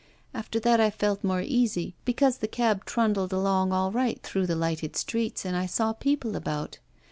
After that I felt more easy, because the cab trundled along all right through the lighted streets, and I saw people about.